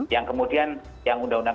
yang kemudian yang undang undang